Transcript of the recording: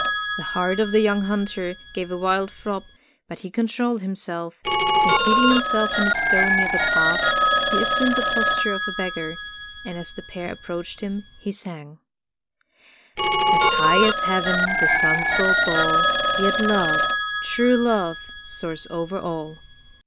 The heart of the young hunter gave a wild throb, but he controlled himself, and seating himself on a stone near the path, he assumed the posture of a beggar, and as the pair approached him, he sang: "As high as Heaven the sun's gold ball — Yet love, true love soars over all."